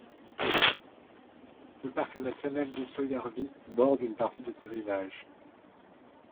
Le parc national d'Isojärvi borde une partie de ses rivages.